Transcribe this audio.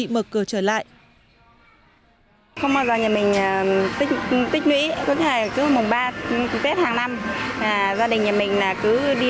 mở cửa trở lại không bao giờ nhà mình tích nghĩ có thể cứ mùa ba tết hàng năm gia đình nhà mình cứ đi